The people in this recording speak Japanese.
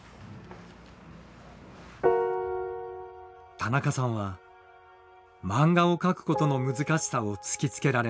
田中さんは漫画を描くことの難しさを突きつけられました。